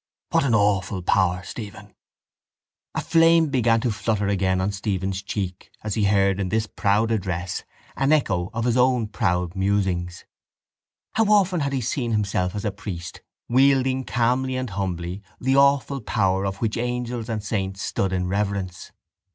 What an awful power, Stephen! A flame began to flutter again on Stephen's cheek as he heard in this proud address an echo of his own proud musings. How often had he seen himself as a priest wielding calmly and humbly the awful power of which angels and saints stood in reverence!